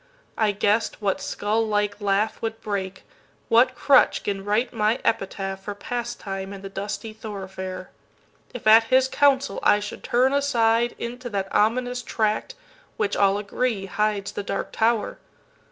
I guess'd what skull like laughWould break, what crutch 'gin write my epitaphFor pastime in the dusty thoroughfare, If at his counsel I should turn asideInto that ominous tract which, all agree, Hides the Dark Tower.